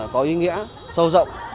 có ý nghĩa sâu rộng